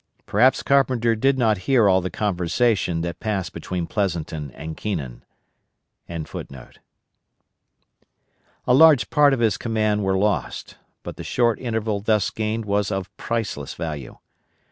Perhaps Carpenter did not hear all the conversation that passed between Pleasonton and Keenan.] A large part of his command were lost, but the short interval thus gained was of priceless value.